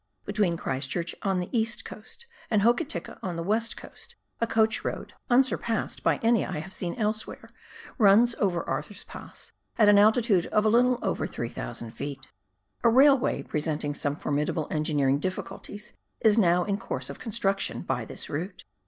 Between Christchurch on the east coast and Hokitika on the west coast a coach road, uusurpassed by any I have seen elsewhere, runs over Arthur's Pass at an altitude of a little over 3,000 ft. A railway presenting some formidable engineer ing dijQ&culties, is now in course of construction by this route.